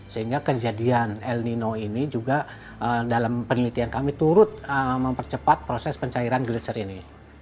sehingga kejadian el nino ini juga dalam penelitian kami turut mempercepat proses pencairan glacer ini